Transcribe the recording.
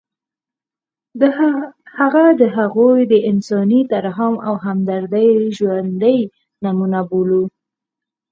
هغه د هغوی د انساني ترحم او همدردۍ ژوندۍ نمونه بولو.